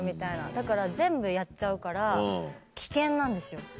だから全部やっちゃうから危険なんですよ。